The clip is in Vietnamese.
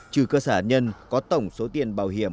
trừ cơ sở nhân có tổng số tiền bảo hiểm